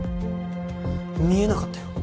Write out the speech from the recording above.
見えなかったよ。